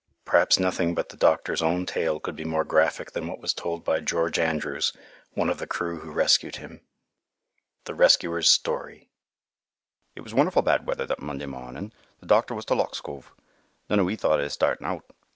Perhaps nothing but the doctor's own tale could be more graphic than what was told by George Andrews, one of the crew who rescued him." THE RESCUERS' STORY "It was wonderfu' bad weather that Monday mornin'. Th' doctor was to Lock's Cove. None o' we thought o' 'is startin' out.